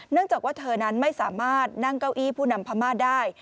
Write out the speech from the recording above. เนื่องจากว่าเธอนั้นไม่สามารถนั่งเก้าอี้พู่นำภามาได้